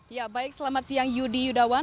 ya baik selamat siang yudi yudawan